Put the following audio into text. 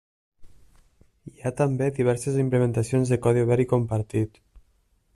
Hi ha també diverses implementacions de codi obert i compartit.